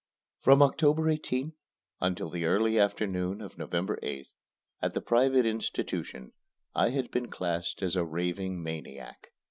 From October 18th until the early afternoon of November 8th, at the private institution, I had been classed as a raving maniac.